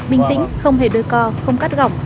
bình tĩnh không hề đôi co không cắt gỏng